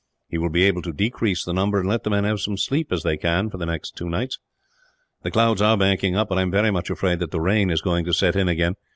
He will be able to decrease the number, and let the men have as much sleep as they can, for the next two nights. "The clouds are banking up, and I am very much afraid that the rain is going to set in again.